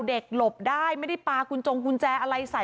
เด็กหลบได้ไม่ได้ปากุญจงหุ้นแจอะไรใส่